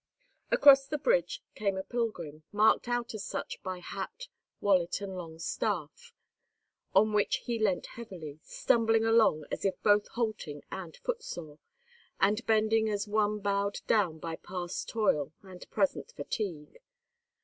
Across the bridge came a pilgrim, marked out as such by hat, wallet, and long staff, on which he leant heavily, stumbling along as if both halting and footsore, and bending as one bowed down by past toil and present fatigue.